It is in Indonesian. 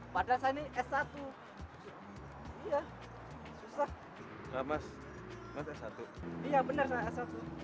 padahal saya ini s satu